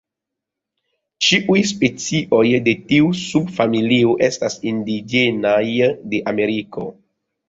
Ĉiuj specioj de tiu subfamilio estas indiĝenaj de Ameriko.